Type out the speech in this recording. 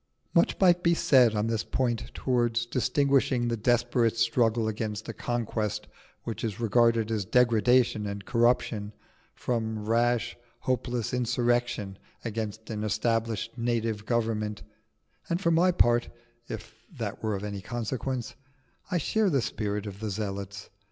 Much might be said on this point towards distinguishing the desperate struggle against a conquest which is regarded as degradation and corruption, from rash, hopeless insurrection against an established native government; and for my part (if that were of any consequence) I share the spirit of the Zealots.